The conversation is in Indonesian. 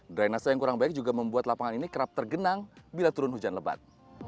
drainase yang kurang baik juga membuat lapangan ini kerap tergenang bila turun hujan lebat